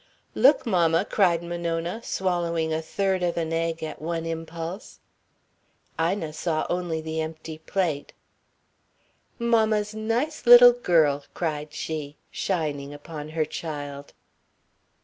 "Look, mamma!" cried Monona, swallowing a third of an egg at one impulse. Ina saw only the empty plate. "Mamma's nice little girl!" cried she, shining upon her child.